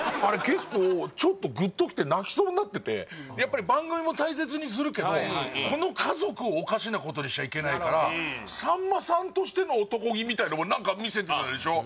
結構ちょっとグッときて泣きそうになっててやっぱり番組も大切にするけどこの家族をおかしなことにしちゃいけないからみたいなもん何か見せてたでしょ？